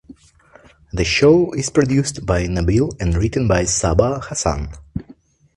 The show is produced by Nabeel and written by Saba Hassan.